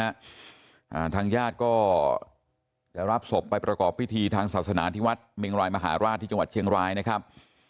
อ่าทางญาติก็จะรับศพไปประกอบพิธีทางศาสนาที่วัดเมงรายมหาราชที่จังหวัดเชียงรายนะครับ